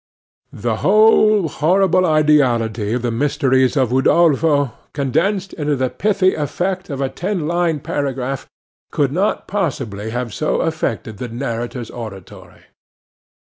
The whole horrible ideality of the Mysteries of Udolpho, condensed into the pithy effect of a ten line paragraph, could not possibly have so affected the narrator's auditory.